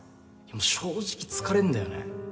正直疲れんだよね